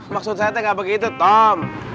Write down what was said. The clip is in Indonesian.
maksud saya teh gak begitu tom